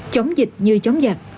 chống dịch như chống giặc